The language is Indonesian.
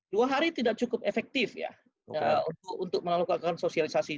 dua hari tidak cukup efektif ya untuk melakukan sosialisasi